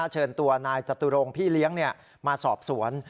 เชิญตัวนายจตุรงค์พี่เลี้ยงมาสอบสวน